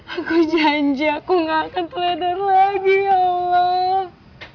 aku janji aku gak akan teledar lagi ya allah